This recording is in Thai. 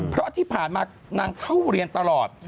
เพราะที่ผ่านมานางเข้าเรียนตลอด